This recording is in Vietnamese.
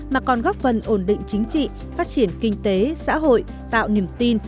mà còn góp phần ổn định chính trị phát triển kinh tế xã hội tạo niềm tin